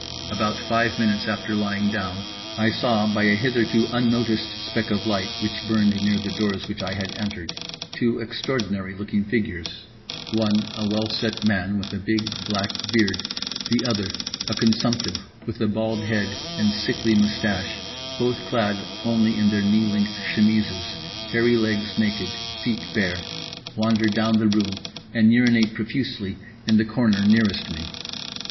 About five minutes after lying down, I saw (by a hitherto unnoticed speck of light which burned near the doors which I had entered) two extraordinary looking figures—one a well set man with a big, black beard, the other a consumptive with a bald head and sickly moustache, both clad only in their knee length chemises, hairy legs naked, feet bare—wander down the room and urinate profusely in the corner nearest me.